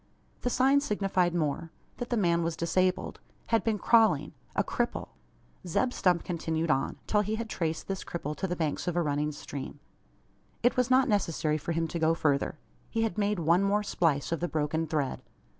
The sign signified more that the man was disabled had been crawling a cripple! Zeb Stump continued on, till he had traced this cripple to the banks of a running stream. It was not necessary for him to go further. He had made one more splice of the broken thread.